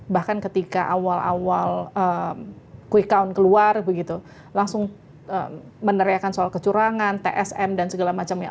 bahkan ketika awal awal quick count keluar begitu langsung meneriakan soal kecurangan tsm dan segala macamnya